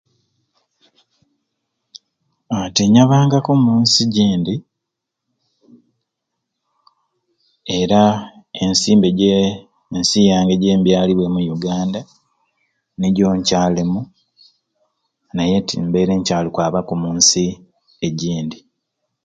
Aa tinyabangaku mu nsi gindi era ensi mbe gye ensi yange gyebyaliibwemu Uganda nijo nkyalimu naye te mbaire nkyali kwabaku omu nsi e gindi.